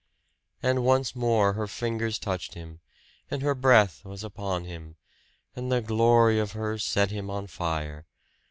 And once more her fingers touched him, and her breath was upon him, and the glory of her set him on fire.